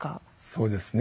そうですね